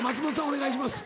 お願いします。